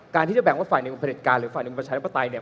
การที่จะแบ่งว่าฝ่ายในกรุงประเด็นการหรือฝ่ายในกรุงประชาธิปไตย